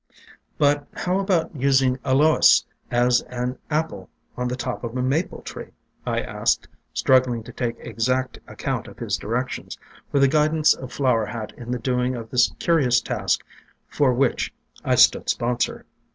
"But how about using Alois as an Apple on the top of a Maple tree ?" I asked, struggling to take exact account of his directions, for the guidance of Flower Hat in the doing of this curious task for which I stood sponsor.